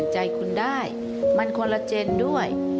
ใจคุณได้มันคนละเจนด้วย